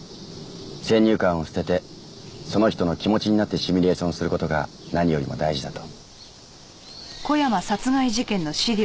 先入観を捨ててその人の気持ちになってシミュレーションする事が何よりも大事だと。